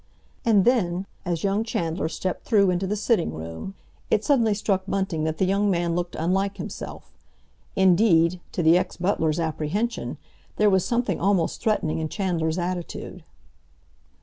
And then, as young Chandler stepped through into the sitting room, it suddenly struck Bunting that the young man looked unlike himself—indeed, to the ex butler's apprehension there was something almost threatening in Chandler's attitude.